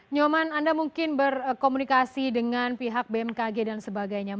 nyoman anda mungkin berkomunikasi dengan pihak bmkg